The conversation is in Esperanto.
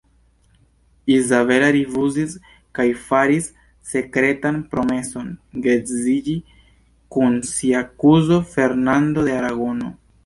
Izabela rifuzis kaj faris sekretan promeson geedziĝi kun sia kuzo, Fernando de Aragono.